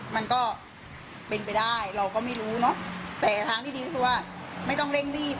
มันก็เป็นไปได้เราก็ไม่รู้เนอะแต่ทางที่ดีก็คือว่าไม่ต้องเร่งรีบ